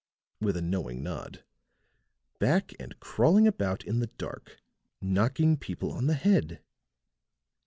with a knowing nod. "Back and crawling about in the dark, knocking people on the head."